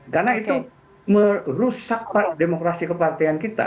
karena itu merusak demokrasi kepartean kita